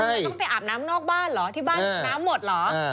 ไม่ต้องไปอาบน้ำนอกบ้านเหรอที่บ้านน้ำหมดเหรอ